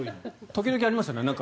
時々ありますよね。